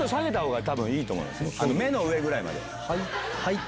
目の上ぐらいまで。